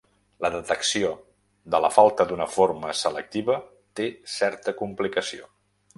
La detecció de la falta d'una forma selectiva té certa complicació.